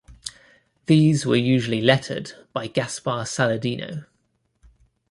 These were usually lettered by Gaspar Saladino.